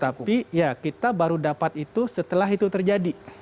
tapi ya kita baru dapat itu setelah itu terjadi